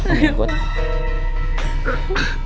om yang kuat